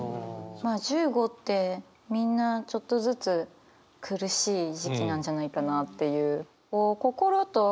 まあ１５ってみんなちょっとずつ苦しい時期なんじゃないかなっていう。